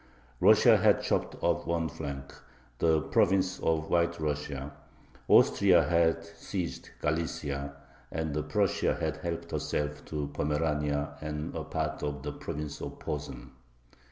Russia had chopped off one flank the province of White Russia; Austria had seized Galicia, and Prussia had helped herself to Pomerania and a part of the province of Posen.